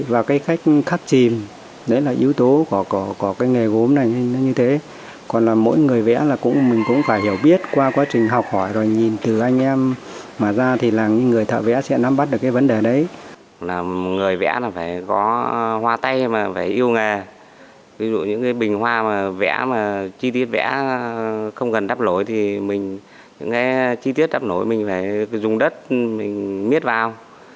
ví dụ những bình hoa mà vẽ chi tiết vẽ không cần đắp nổi thì những chi tiết đắp nổi mình phải dùng đất miết vào